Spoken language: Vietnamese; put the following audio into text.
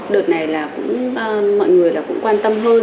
đợt này là mọi người cũng quan tâm hơn